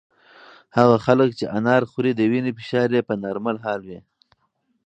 هغه خلک چې انار خوري د وینې فشار یې په نورمال حال وي.